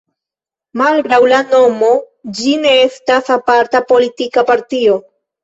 Malgraŭ la nomo, ĝi ne estas aparta politika partio.